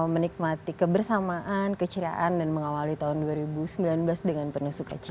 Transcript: menikmati kebersamaan keceriaan dan mengawali tahun dua ribu sembilan belas dengan penuh sukacita